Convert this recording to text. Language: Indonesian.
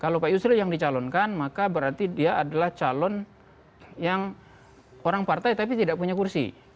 kalau pak yusril yang dicalonkan maka berarti dia adalah calon yang orang partai tapi tidak punya kursi